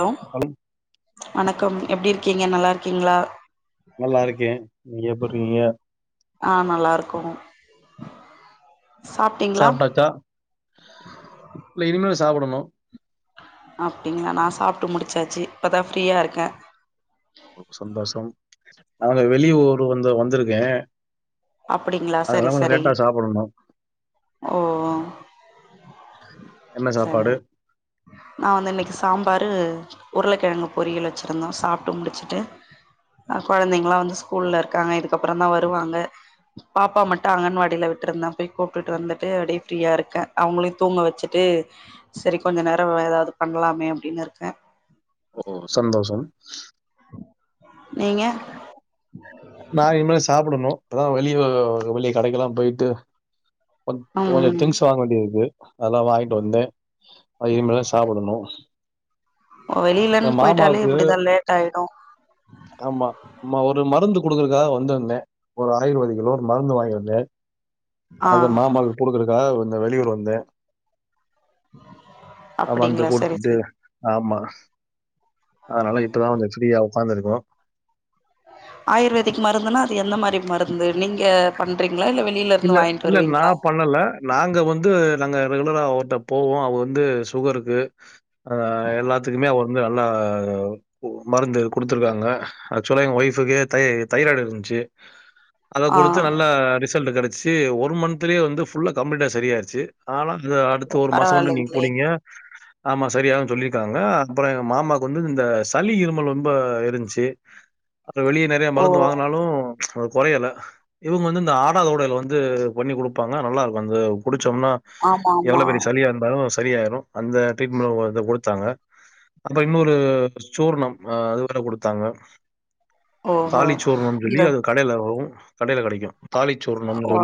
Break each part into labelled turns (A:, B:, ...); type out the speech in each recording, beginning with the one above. A: Allow
B: hello
A: வணக்கம் எப்டி இருக்கீங்க நல்லாருக்கீங்ளா
B: நல்லாருக்கே நீங்க எப்புருக்கீங்க
A: ஆ நல்லாருக்கோ
B: சாப்ட்டாச்சா இல்ல இனிமேல் சாப்டணு
A: அப்டிங்களா நா சாப்ட்டு முடிச்சாச்சு இப்ப தா ஃப்ரீயாருக்கே
B: ஓ சந்தோஷம் நாங்க வெளி ஊரு வந்து வந்திருக்கே
A: அப்டிங்களா செரி செரி
B: சாப்பிடணும்.
A: ஓ
B: என்ன
A: சரி
B: சாப்பாடு
A: நா வந்து இன்னக்கி சாம்பாரு உர்ளக்கெழங்கு பொரியல் வச்சிருந்தோ சாப்ட்டு முடிச்சுட்டு ஆ கொழந்தைங்ளா வந்து ஸ்கூல்லருக்காங்க இதுக்கப்றோ தா வருவாங்க பாப்பா மட்டு அங்கன்வாடில்ல விட்ருந்தே போய் கூப்ட்டுட்டு வந்துட்டு அப்டியே ஃப்ரீயாருக்கே அவுங்களையு தூங்க வச்சுட்டு செரி கொஞ்ச நேரோ‌வேற எதாது பண்லாமே அப்டின்னுருக்கே
B: ஓ சந்தோஷம்
A: நீங்க
B: நா இனிமே சாப்டணு இப்பதா வெளிய வெளிய கடைக்கெல்லா போய்ட்டு கொ கொஞ்ச
A: ம்
B: திங்ஸ் வாங்க வேண்டி இருக்கு அதல்லா வாய்ன்ட்டு வந்தே அது இனிமேதா சாப்டணு
A: ஓ வெளிலன் போய்ட்டாலே
B: மாமாவுக்கு
A: இப்டிதா லேட்டாயிடு
B: ஆமா சும்மா ஒரு மருந்து குடுக்கறக்காக வந்திருந்தே ஒரு ஆயுர்வேதிக்ல ஒரு மருந்து வாங்கிருந்தே
A: ஆ
B: அத மாமாக்கு குடுக்கருக்காக இந்த வெளியூர் வந்தே ஆ வந்து
A: அப்படிங்களா சரி
B: குடுத்துட்டு
A: சரி
B: ஆமா அதனால இப்ப தா கொஞ்ச ஃப்ரீயா ஒக்காந்துருக்கோ
A: ஆயுர்வேதிக் மருந்துன்னா அது எந்த மாரி மருந்து நீங்க பண்றீங்ளா இல்ல
B: இல்ல,
A: வெளிலருந்து வாய்ன்ட்டு
B: இல்ல
A: வருவீங்களா
B: நான் பண்ணல நாங்க வந்து நாங்க ரெகுலரா அவர்ட்ட போவோ அவரு வந்து சுகருக்கு ஆ எல்லாத்துக்குமே அவர் வந்து நல்லா ஓ மருந்து குடுத்துருக்காங்க ஆக்சுவலா எங்க ஒய்ஃபுக்கு தை தைராய்டு இருந்துச்சு அத
A: ஆ
B: குடுத்து நல்ல ரிசல்ட் கெடச்சு ஒரு மன்த்லே வந்து ஃபுல்லா கம்ப்ளீட்டா சரியாயிருச்சு ஆனா இந்த அடுத்த ஒரு மாசோ மட்டு நீங்க
A: பரவாயில்லைங்களே
B: குடிங்க ஆமா சரியாகுன் சொல்லிருக்காங்க அப்றோ எங்க மாமாக்கு வந்து இந்த சளி இருமல் ரொம்ப இருன்ச்சு அப்றோ வெளிய நறைய
A: ஓ
B: மருந்து வாங்னாலு அது கொறையல இவுங்க வந்து இந்த ஆடா [unintelligible] வந் து பண்ணி குடுப்பாங்க நல்லாருக்கு அந்த குடிச்சம்னா
A: ஆமா ஆமா
B: எவ்ளோ பெரிய சளியாருந்தாலு சரியாயிரு அந்த ட்ரீட்மெண்ட் அது குடுத்தாங்க அப்றோ இன்னொரு சூர்ணம் [unintelligible] குடுத்தாங்க
A: ஓஹோ
B: தாலி சூரணம் சொல்லி
A: இந்த
B: அது கடையிலவு கடையில கெடைக்கு தாலிச்சூரனம்னு
A: ஓ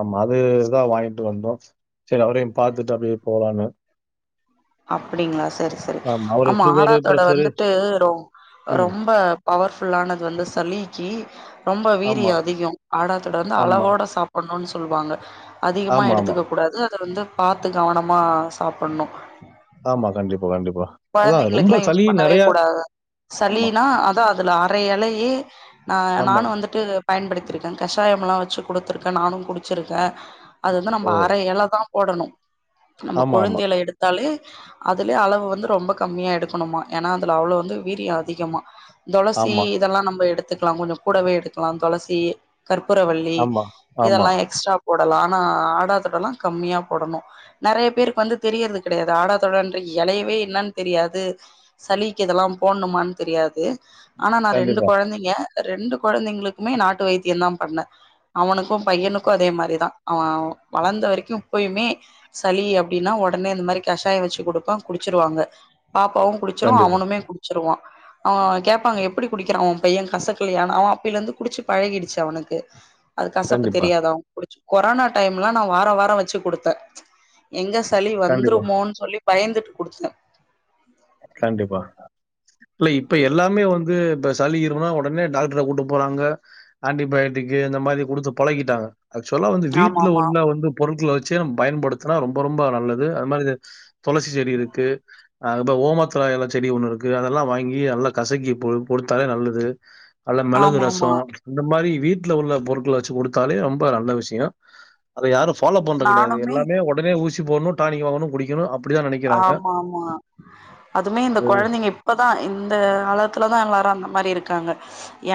B: ஆமா அதுதா வாங்கிட்டு வந்தோ செரி அவரையு பாத்துட்டு அப்டியே போலான்னு
A: அப்டிங்களா செரி செரி
B: அவரு
A: ஆமா
B: சுகரு,
A: ஆடாத்தோட
B: பிரஷரு
A: வந்துட்டு ரொம்
B: ம்.
A: ரொம்ப பவர்புல்லானது வந்து சளிக்கி ரொம்ப வீரிய
B: ஆமா,
A: அதிக ஆடாத்தோட வந்து
B: ஆமா,
A: அளவோட சாப் பண்ணுன்னு சொல்லுவாங்க அதிகமா
B: ஆமாமா, ஆமா.
A: எடுத்துக்க கூடாது அத வந்து பாத்து கவனமா சாப்பிடணு
B: ஆமா கண்டிப்பா கண்டிப்பா அதான் ரொம்ப
A: கொழந்தைங்களுக்கெல்லா யூஸ்
B: சளி
A: பண்ணவே
B: நெறையா
A: கூடாது
B: ஆமா,
A: சளியே அதா அதுல அர எலையே நா
B: ஆமா.
A: நானு வந்துட்டு பயன்படுத்தியிருக்கே கஷாயமலா வெச்சு குடுத்துருக்கே நானு குடிச்சிருக்கே அது வந்து நம்ம
B: ஓ!
A: அர எல தா போடணு நம்ம கொழுந்து
B: ஆமாமா,
A: எல எடுத்தாலே அதுலயே அளவு வந்து ரொம்ப கம்மியா எடுக்கணுமா ஏன்னா அதுல அவ்ளோ வந்து வீரிய அதிகமா தொளசி
B: ஆமா,
A: இதெல்லா நம்ம எடுத்துக்கலா கொஞ்சோ கூடவே எடுக்கலா தொளசி கற்பூரவல்லி
B: ஆமா, ஆமா. ஆமா.
A: இதெல்லா எக்ஸ்ட்ரா போடலா ஆனா ஆடாதொடல்லா கம்மியா போடணு நெறையா பேருக்கு வந்து தெரியறது கெடையாது ஆடாதொடர்ன்ற எலையவே என்னனு தெரியாது சளிக்கு இதெல்லா போட்னுமான்னு தெரியாது ஆனா நா ரெண்டு
B: கண்டிப்பா,
A: கொழந்தை ஏ ரெண்டு கொழந்தைங்களுக்குமே நாட்டு வைத்தியந்தா பண்ண அவனுக்கு பையனுக்கு அதே மாரிதா அவ வளர்ந்த வரைக்கு இப்பயுமே சளி அப்டின்னா ஒடனே இந்த மாரி கஷாய வெச்சு குடுப்பே குடி ச்சிருவாங்க பாப்பாவு குடிச்சிரு
B: கண்டிப்பா,
A: அவனுமே குடிச்சிருவா அவ கேப்பாங்க எப்டி குடிக்கிறா ஊ பைய கசக்கிலியா அவ அப்பில இருந்து குடிச்சு பழகிடுச்சு அவனுக்கு [inaudible] அது கசப்பு
B: கண்டிப்பா,
A: தெரியாதா அவங்க குடிச் கொரோனா டைம்லா நா வாரொ வாரொ வெச்சு குடுத்த எங்க சளி
B: கண்டிப்பா,
A: வந்துருமோன்னு சொல்லி பயந்துட்டு குடுத்துட்டே
B: கண்டிப்பா இல்ல இப்ப எல்லாமே வந்து இப்ப சளி இருமல்னா ஒடனே டாக்டர் கிட்ட கூட்டு போறாங்க ஆன்டிபயாட்டிக்கு இந்த மாரி குடுத்து பழகிட்டாங்க ஆக்சுவலா வந்து வீட்ல
A: ஆமாமா
B: உள்ள வந்து பொருட்கள வெச்சு நம்ம பயன்படுத்னா ரொம்ப ரொம்ப நல்லது அது மாரி இந்த தொளசி செடி இருக்கு அதுக்கப்றோ ஓமத்துல எல செடி ஒண்ணு இருக்கு அதெல்லா வாங்கி நல்லா கசக்கி குடுத்தாலே நல்லது அல்ல மிளகு ரசோ
A: ஆமாமா
B: இந்த மாரி வீட்ல உள்ள பொருட்கள வெச்சு குடுத்தாலே ரொம்ப நல்ல விஷியோ அத யாரு ஃபாலோ பண்றது கெடையாது
A: நானுமே
B: எல்லாமே ஒடனே ஊசி போடணு டானிக் வாங்கனு குடிக்கணு அப்
A: ஆமாம்மா அதுமே இந்த
B: அது
A: கொழந்திங்க இப்பதா இந்த காலத்துலதா எல்லாரு அந்த மாரி இருக்காங்க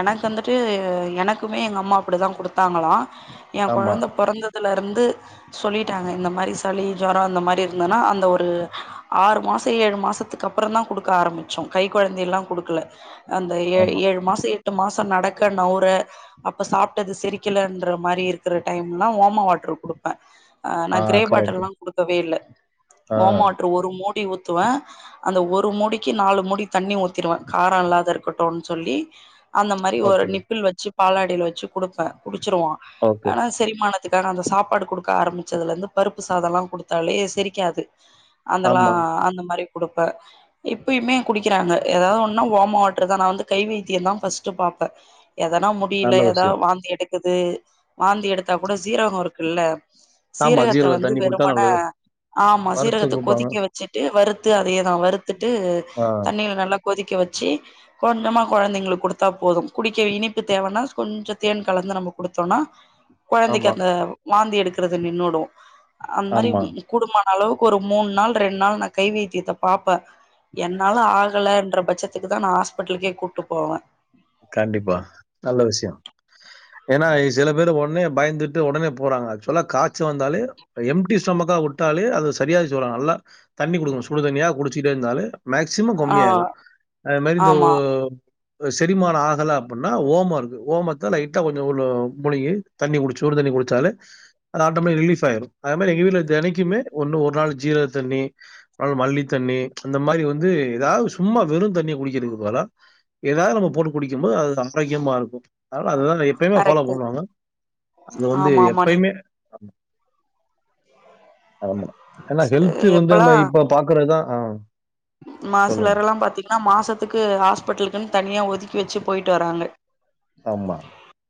A: எனக்கு வந்துட்டு எனக்குமே எங்க அம்மா அப்பிடிதா குடுத்தாங்களா ஏ
B: ஆமா,
A: கொழந்த பொறந்ததுல இருந்து சொல்லிட்டாங்க இந்த மாரி சளி ஜொரோ இந்த மாரி இருந்ததுன்னா அந்த ஒ ஒரு ஆறு மாசோ ஏழு மாசத்துக்கு அப்றோ தா குடுக்க ஆரம்பிச்சோ கை கொழந்தைய எல்லா குடுக்கல அந்த ஏ
B: ஆமா.
A: ஏழு மாசோ எட்டு மாசோ நடக்க நவுர அப்ப சாப்ட்டது செரிக்கலேன்ற மாரி இருக்குற டைம்லா ஓம வாட்ரு குடு ப்ப அ நா
B: ஆ
A: கிரே
B: கரெக்ட்.
A: பாட்டல்லா குடுக்கவே இல்ல.
B: ஆ
A: ஓம வாட்ரு ஒரு மூடி ஊத்துவ அந்த ஒரு மூடிக்கி நாலு மூடி தண்ணி ஊத்திருவே காரோ இல்லாத இருக்குட்டுன் சொல்லி அந்த மாரி ஒரு
B: ஓகே,
A: நிப்பில் வெச்சு பாலாடைல வெச்சு குடுப்பே குடிச்சுருவா.
B: ஓகே.
A: ஆனாஸ் செரிமானத்துக்காக அந்த சாப்பாடு கொடுக்க ஆரம்பிச்சதுல இருந்து பருப்பு சாதம் எல்லாம் குடுத்தாலே செரிக்காது அதல்லா
B: ஆமா.
A: அந்த மாரி குடுப்பே. இப்பயுமே குடிக்கிறாங்க எதாவது ஒன்னா வாம் வாட்ரு தா நா வந்து கை வைத்தியந்தா ஃபஸ்ட்டு பாப்பே. எதனா முடில
B: நல்ல விஷயம்.
A: எதாவ் வாந்தி எடுக்குது வாந்தி எடுத்தா கூட சீரகோ இருக்குல்ல
B: ஆமா,
A: சீரகத்த
B: ஜீரக
A: வந்து
B: தண்ணி குடித்தா
A: வெறுமன
B: நல்லது.
A: ஆமா
B: வறுத்து குடுப்பாங்க.
A: கொதிக்க வச்சுட்டு வறுத்து அதையேதா வறுத்துட்டு
B: ஆ,
A: தண்ணியில நல்லா கொதிக்க வச்சு கொஞ்சமா கொழந்தைங்களுக் குடுத்தா போதும் குடிக்க இனிப்பு தேவன்னா கொஞ்சொ தேன் கலந்து நம்ம குடுத்தோன்னா கொழந்தைக்கு
B: ஆமா,
A: அந்த வாந்தி எடுக்கறது நின்னூடு அந் மாரி
B: ஆமா.
A: ம் கூடுமான அளவு ஒரு மூன் நாள் ரெண் நாள் நா கை வைத்தியத்த பாப்பே என்னால ஆகலன்ற பட்ச த்துக்குதா நா ஹாஸ்பிட்லுக்கே கூட்டு போவே.
B: கண்டிப்பா நல்ல விஷய ஏன்னா சில பேரு ஒன்னே பயந்துட்டு ந்த உடனே போறாங்க ஆச்வலா காச்ச வந்தாலே அ எம் ம்ட்டி ஸ்டொமக்கா உட்டாலே அது சரியாய் ஜொரோ நல்லா தண்ணி குடுக்குனு சுடுதண்ணியா குடிச்சிகிட்டே இர்ந்தாலே மேக்சிமோ
A: ஆ
B: கம்மியாரு அது மாரி இந்த ஒ
A: ஆமா
B: செரிமானோ ஆகல அப்பன்னா ஓமொ இருக்கு ஓமத்த லைட்டா கொஞ்சோ உள்ள முழுங்கி தண்ணி குடிச் சுடு தண்ணி குடிச்சாலே அது ஆட்டமே ரிலீஸ் ஆயிரு அதே மாரி எங்க வீட்ல தெனைக்குமே ஒன்னு ஒரு நாள் ஜீரக தண்ணி அது மல்லி தண்ணி அந்த மாரி வந்து எதாவ் சும்மா வெறுந் தண்ணிய குடிக்கிறக்கு பதுலா எதாவ் நம்மோ போட்டு குடிக்கிமோ அது ஆரோக்கியமாருக்கு. அனால அதுதாங்க எப்பயிமே ஃபாலோ
A: கரெக்ட்டு
B: பண்ணுவாங்க அது வந்து
A: ஆமா ஆமா நீ
B: எப்பயிமே ஆ ம் ஆமா ஏனா ஹெல்த்து வந்து நம்ப இப்ப பாக்கறத்தா ஆ
A: ம்மா
B: சொல்லுங்க.
A: சிலர் எல்லாம் பாத்தீங்கனா மாசத்துக்கு ஹாஸ்பிட்லுக்குன் தனியா ஒதுக்கி வெச்சு போயிட்டு வராங்க.
B: ஆமா.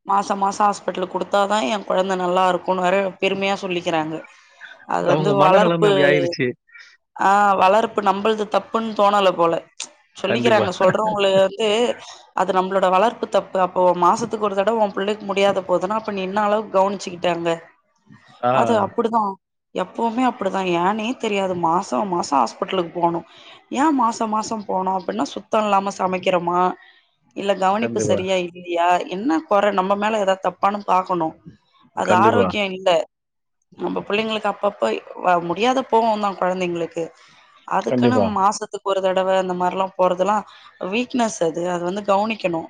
A: மாச மாசோ ஹாஸ்பிட்லுக் குடுத்தா தா எ கொழந்த நல்லா இருக்குன் வேற பெருமையா சொல்லிக்கிறாங்க. அது வந்து
B: அவங்க மனநிலைமை
A: வளர்ப்பு
B: அப்படி ஆயிருச்சு.
A: ஆ வளர்ப்பு நம்பள்து தப்புன் தோணல போல
B: கண்டிப்பா.
A: சொல்லிக்கிறாங்க சொல்றவங்களு ஏ அது நம்ப்ளோட வளர்ப்பு தப்பு அப்போ மாசத்துக்கு ஒரு தடவ உ பிள்ளைக் முடியாத போவுதுனா அப்ப நீ என்ன அளவுக் கவுனிச்சிகி டங்க
B: ஆ
A: அது அப்பிடிதா. எப்புமே அப்டிதா ஏன்னே தெரியாது மாச மாச ஹாஸ்பெட்டலுக்கு போணு ஏ மாச மாச போனு அப்டின்னா சுத்த இல்லாம சமைக்கிறமா இல்ல கவனிப்பு
B: கண்டிப்பா,
A: செரியா இல்லி இல்லியா என்ன கொற நம்ம மேல எதாவது தப்பானு பாக்கணு அது
B: கண்டிப்பா,
A: ஆரோக்கியோ இல்ல நம்ம புள்ளிங்களுக்கு அப்பப்ப முடியாது போவு தா கொழந்தைங்களுக்கு அது
B: கண்டிப்பா.
A: மாசத்துக்கு ஒரு தடவ அந்த மாரில்லா போறதெல்லா வீக்னஸ் அது அத வந்து கவனிக்கணு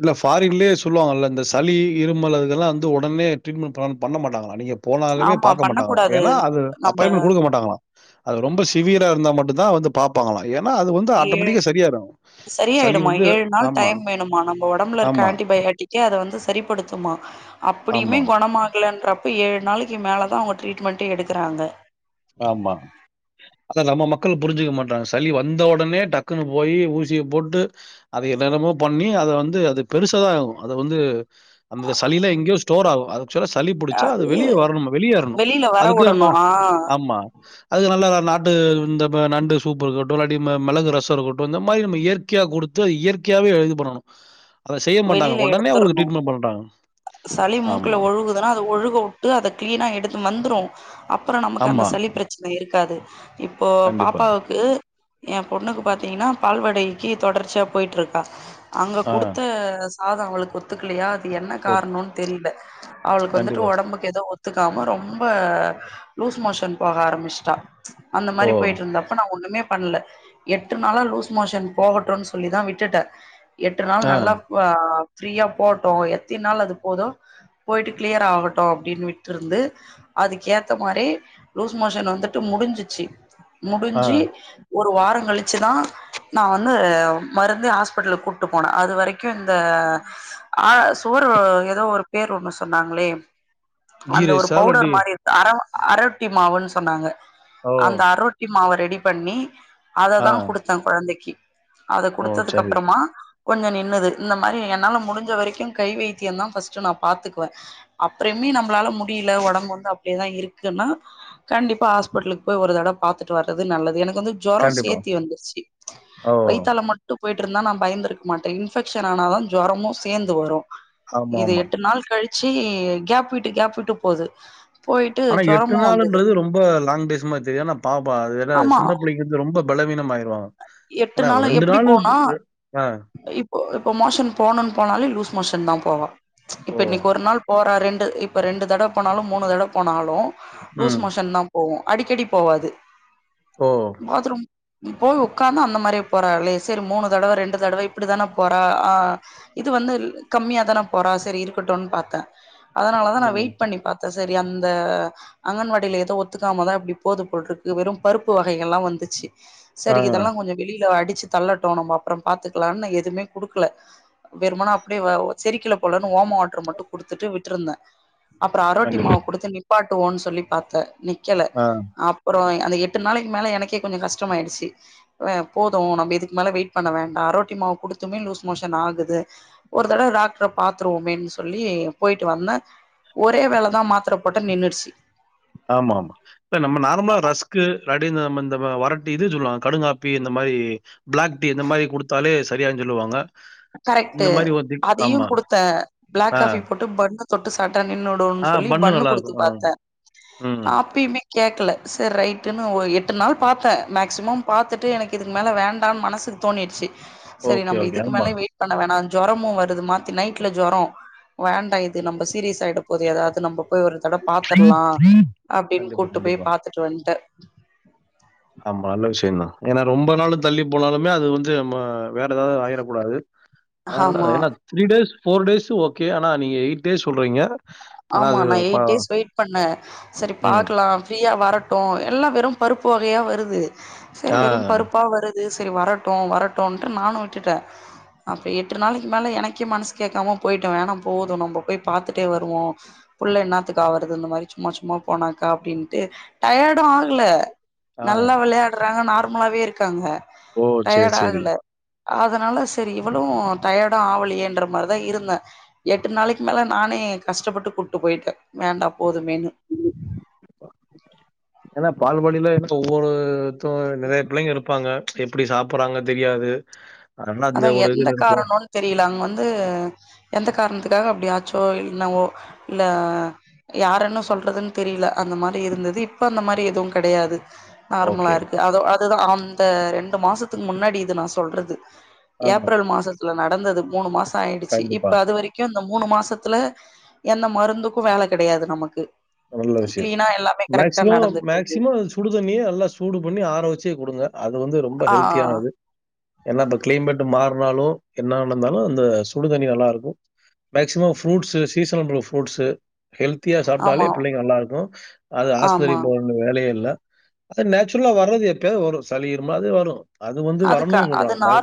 B: இல்ல ஃபாரின்லயே சொல்லுவாங்கல்ல இந்த சளி இருமல் அதுல்லா வந்து உடனே ட்ரீட்மெண்ட் பண்ண மாட்டாங்களா நீங்க போனாலுமே
A: ஆமா
B: பாக்கமாட்டாங்களா
A: பண்ணக்கூடாது
B: ஏன்னா அது
A: நம்ம
B: அப்பாயின்மெண்ட் குடுக்கமாட்டாங்களா அது ரொம்ப சிவியரா இருந்தா மட்டு தா வந்து பாப்பாங்கலா ஏன்னா அது வந்
A: ஏழ் செரியாயிடுமா
B: வந்து
A: ஏழு நாள்
B: ஆமா,
A: டைம் வேணுமா நம்ம ஒடம்புல இருக்க
B: ஆமா,
A: ஆன்டிபயாட்டிக்கே அத வந்து சரிப்படுத்துமா அப்டியுமே
B: ஆமா,
A: குணமாகலன்றப் ஏழு நாளைக்கு மேலதா அவங்க ட்ரீட்மெண்ட்டே எடுக்குறாங்க
B: ஆமா அத நம்ம மக்கள் புரிஞ்சுக்க மாட்டாங்க சளி வந்த உடனே டக்குன்னு போய் ஊசிய போட்டு அதை என்னனம்மோ பண்ணி அத வந்து அது பெருசாதா ஆகு அத வந்து அந்த சளிலா எங்கயோ ஸ்டோர் ஆகு சளி புிடிச்சா அது வெளிய வரணு வெளிய வரணு
A: வெளில வர
B: அதுக்கு நம்ம
A: வுடணு ஆ
B: ஆமா அதுக்கு நல்லா நாட்டு இந்த நண்டு சூப்பு இருக்கட்டு இல்லாட்டி மிளகு ரச இருக்கட்டு இந்த மாரி நம்ம இயற்கையா குடுத் து இயற்கையாவே இது பண்ணணு
A: வெளில எடுத்துருணு
B: ட்ரீட்மெண்ட் பண்றாங்க.
A: சளி மூக்குல
B: ஆமா,
A: ஒழுகுது இல்லனா அத ஒழுக விட்டு அத கிளீனா எடுக்கணு வந்துரு அப்பற நமக்கு அந்த
B: ஆமா.
A: சளி பிரச்சன இருக்காது இப்போ
B: கண்டிப்பா.
A: பாப்பாவுக்கு என் பொண்ணுக்கு பாத்தீங்கன்னா பால்வாடகைக்கு தொடர்ச்சியா போய்ட்டுருக்கா அங்க
B: ஆ.
A: குடுத் த சாத அவளுக்கு ஒத்துக்கலையா அது என்ன
B: ஓ!
A: காரணன் தெரில அவளுக்கு வந்துட்டு
B: கண்டிப்பா.
A: உடம்புக் ஏதோ ஒத்துக்காம ரொம்ப லூஸ் மோஷன் போக ஆரம்பிச்சுட்டா அந்த
B: ஓ!
A: மாரி போயிட்டு இருந்தப்ப நா ஒண்ணுமே பண்ணல எட்டு நாளா லூஸ் மோஷன் போகட்டுன் சொல்லிதா விட்டுட்ட எட்டு நாள்
B: ஆ,
A: நல்லா ஆ ஃப்ரீயா போட்டு எத்திநாள் அது போதோ போயிட்டு கிளியர் ஆகட்டு அப்டின் விட்டுருந்து அதுக்கேத்த மாரி லூஸ் மோஷன் வந்துட்டு முடிஞ்சிச்சு
B: ஆ.
A: முடிஞ்சு ஒரு வார கழிச்சுதா நா வந்து மருந்து ஹாஸ்பிட்டலுக்கு கூப்டு போன அது வரைக்கு இந்த ஆ சோர்வு எதோ ஒரு பேர் ஒன்னு சொன்னாங்களே
B: கீ
A: அந்த ஒரு
B: ரைஸா?
A: பவுடர்
B: இல்லாட்டி
A: மாரி அர அரொட்டி மாவுன் சொன்னாங்க
B: ஓ!
A: அந்த அரொட்டி மாவ ரெடி பண்ணி
B: ஆ.
A: அததா குடுத்த கொழந்தைக்கு அத
B: ஓ!
A: குடுத்ததுக்கு
B: சரி.
A: அப்றமா கொஞ்சோ நின்னுது இந்த மாரி என்னால முடிஞ்ச வரைக்கு கை வைத்திய தா ஃபர்ஸ்ட்டு நா பாத்துக்குவ அப்பறமே நம்மளால முடில உடம்பு வந்து அப்டியேதா இருக்குன்னா கண்டிப்பா ஹாஸ்பிடலுக்கு போய் ஒரு தடவ பாத்துட்டு வரது நல்லது எனக்கு வந்து ஜொரம்
B: கண்டிப்பா.
A: சேர்த்தி வந்துருச்சு
B: ஓ!
A: வைத்தால மட்டு போய்ட்டு இருந்தா நா பயந்திருக் மாட்ட இன்ஃபெக்க்ஷன் ஆனாதா ஜொரமு சேர்ந்து வரு இத
B: ஆமாமா.
A: எட்டு நாள் கழிச் சி கேப்விட்டு கேப்விட்டு போது போயிட்டு
B: ஆனா எட்டு
A: ஜொரமு வந்தது
B: நாள்ன்றது ரொம்ப லாங்டேஸ் மாரி தெரிது ஆனா பாப்பா அது வேற
A: ஆமா
B: சின்ன பிள்ளைக் ரொம்ப பலவீனமாயிருவாங்க
A: எட்டு நாலு எப்டி போனு
B: ஆ.
A: இப் இப்ப மோஷன் போணுன் போனாலே லூஸ் மோஷன் தா போவா இப்ப
B: ஓ!
A: இன்னைக்கு ஒரு நாள் போ ரெண்டு இப்ப ரெண்டு தடவ போனாலு மூணு தடவ போனாலு லூஸ்
B: ம்.
A: மோஷன் தா போவு அடிக்கடி போவாது
B: ஓ!
A: பாத்ரூம் போய் உக்காந்தா அந்த மாரியே போறா இவளே சரி மூணு தடவ ரெண்டு தடவ இப்டிதான போறா ஆ இது வந்து கம்மியா தான போறா சரி இருக்கட்டுன் பாத்த அதனால தா நா
B: ம்.
A: வெயிட் பண்ணி பாத் சரி அந்த அங்கன்வாடியில ஏதோ ஒத்துக்காமதா இப்டி போது போல்ருக்கு வெறு பருப்பு வகைகள்ல்லா வந்துச்சு
B: ஆ.
A: சரி இதெல்லா கொஞ்ச வெளியில அடிச்சு தள்ளட்டு நம்ம அப்பற பாத்துக்கலாம்னு எதுவுமே குடுக்கல வெறுமன அப்டியே வ செரிக்கில போலன்னு ஓம வாட்ரு மட்டு குடுத்துட்டு விட்ருந்தே அப்பற அரோட்டி
B: கண்டிப்பா.
A: மாவு குடுத்து நிப்பாட்டுவோன்னு சொல்லி பாத்த நிக்கல
B: ஆ
A: அப்பற அந்த எட்டு நாளைக்கு மேல எனக்கே கொஞ்சோ கஷ்டமாய்டுச்சு அ போது நம்ம இதுக்கு மேல வெயிட் பண்ண வேண்டா அரோட்டி மாவு குடுத்துமே லூஸ் மோஷன் ஆகுது ஒரு தடவ டாக்டர பாத்துருவோமேன் சொல்லி போய்ட்டு வந்த ஒரே வேலதா மாத்திரை போட்ட நின்னுடுச்சு
B: ஆமா ம் இல்ல நம்ம நார்மலா ரஸ்கு ரடி நம்ம இந்த வரட்டி இது சொல்லுவா கடுங்காப்பி இந்த மாரி பிளாக் டீ இந்த மாரி குடுத்தாலே சரியாகு சொல்லுவாங்க
A: கரெக்ட்டு
B: இந்த மாரி ஒரு திக்
A: அதையு
B: ஆமா.
A: குடுத்தே பிளாக்
B: ஆ.
A: காபி போட் பண்ண தொட்டு சாப்டா நின்னுடுனு
B: ஆ
A: சொல்லி
B: பன்னு
A: பண்ணு குடுத்து
B: நல்லாருக்கும். ஆ.
A: பாத்தே
B: ம்.
A: அப்பயுமே கேக்கல சரி ரைட்டுன்னு எட்டு நாள் பாத்தே மேக்சிமம் பாத்துட்டு எனக்கு இதுக்கு மேல வேண்டாம் மனசுக் தோணிடுச்சு சரி
B: ஓகே,
A: நம்ம
B: ஓகே.
A: இதுக்கு
B: ஆமா.
A: மேலே வெயிட் பண்ண வேணா ஜொரமு வருது மாத்தி நைட்ல ஜொர வேண்டா இது நம்ம சீரியஸ் ஆயிட போது ஏதாவது நம்ம போய் ஒரு தட பாத்துரலா அப்படின்
B: கண்டிப்பா,
A: கூட்டு போய்
B: கண்டிப்பா.
A: பாத்துட்டு வந்ட்டே
B: ஆமா நல்ல விஷயந்தா ஏன்னா ரொம்ப நாளும் தள்ளி போனாலுமே அது வந்து நம்ம வேற ஏதாவது ஆயிட கூடாது ஆ
A: ஆமா.
B: ஏன்னா three days four days okay ஆனா நீங்க எய்ட் டேஸ் சொல்றீங்க ஆனா
A: ஆமா
B: அது
A: நா
B: ப
A: எய்ட் டேஸ் வெயிட் பண்ணே சரி
B: ம்.
A: பாக்கலா ஃப்ரீயா வர ட்டு எல்லா வெறும் பருப்பு வகையா வருது சரி
B: ஆ.
A: வெறும் பருப்பா வரு சரி வரட்டு வரட்டுனுட்டு நானு விட்டுட்டே அப்போ எட்டு நாளைக்கு மேல எனக்கே மனசு கேக்காம போயிட்டே வேணா போது நம்ம போய் பாத்துட்டு ட்டே வருவோ புள்ள எண்ணாத்துக்கு ஆவறது இந்த மாரி சும்மா சும்மா போனாக்கா அப்படின்ட்டு டயர்டு ஆகல
B: ஆ.
A: நல்லா விளையாடுறாங்க நார்மலாவே இருக்காங்க
B: ஓ! சரி,
A: டயர்டு
B: சரி.
A: ஆகல அதனால சரி இவளு டயர்டு ஆவலேயன்ற மாரிதா இருந்தே எட்டு நாளைக்கு மேல நானே கஷ்டப்பட்டு கூப்ட்டு போயிட்டே வேண்டா போதுமேன்னு
B: ஏன்னா பால்வாடியிலே இப்ப ஒவ்வொரு த்த நெறைய பிள்ளைங்க இருப்பாங்க எப்டி சாப்புறாங்க தெரியாது அதனால அந்த
A: அதா
B: ஒரு
A: எந்த
B: இதுல இருக்கும்.
A: காரனுன் தெரியல அங்க வந்து எந்த காரணத்துக்காக அப்டி ஆச்சோ என்னவோ இல்ல யாரன்னு சொல்றதுன்னு தெரியல அந்த மாரி இருந்தது இப்ப அந்த மாரி எதுவு கெடையாது நார்மலா
B: ஓகே.
A: இருக்கு அதோ அதுதா அந்த ரெண்டு மாசத்துக்கு முன்னாடி இது நா சொல்றது
B: ஆ
A: ஏப்ரல் மாசத்துல நடந்தது மூணு மாச ஆயிடுச்சு
B: கண்டிப்பா.
A: இப்ப அது வரைக் க்கு இந்த மூணு மாசத்துல எந்த மருந்துக்கு வேல கெடையாது நமக்கு
B: நல்ல விஷயம்
A: கிளீனா எல்லாமே கரெக்டா
B: மேக்ஸிம
A: நடந்துட்டு இருக்கு
B: மேக்ஸிம அது சுடு தண்ணியே எல்லா சூடு பண்ணி ஆர வச்சே குடுங்க அது வந்து ரொம்ப
A: ஆ
B: ஹெல்த்தியானது ஏன்னா இந்த க்ளைமேட் மாறுனாலு என்னா இருந்தாலு அந்த சுடுதண்ணி நல்லாருக்கு மேக்சிமம் ஃப்ரூட்ஸ்சு சீசனல் புல்ஃப்ரூட்ஸ் ஹெல்தியா சாப்ட்டாலே
A: ஆமா
B: நல்லாருக்கு அது ஆஸ்பத்திரி
A: ஆமா
B: போ ஒன்னு வேலயே இல்ல அது நேச்சுரலா வர்றது எப்பயாது வரு சலி இருமல் அது வரு அது வந்து
A: அதுக்கா
B: வரணு
A: அது
B: சொல்றாங்க பா
A: நார்